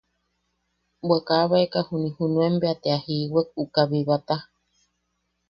Bwe kabaeka, juniʼi junuen bea te a jiiwek uka bibata.